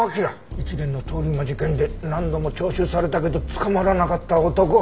一連の通り魔事件で何度も聴取されたけど捕まらなかった男。